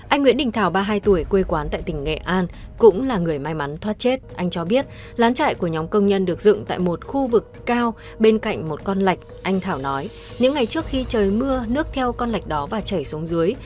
anh nguyễn đình thảo ba mươi hai tuổi quê quán tại tỉnh nghệ an cũng là người may mắn thoát chết anh cho biết lán chạy của nhóm công nhân được dựng tại một khu vực cao bên cạnh một con lạch anh thảo nói những ngày trước khi trời mưa nước theo con lạch đó và chảy xuống dưới